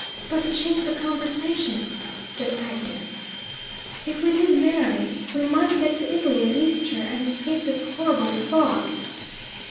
"But to change the conversation," said Agnes. "If we did marry, we might get to Italy at Easter and escape this horrible fog."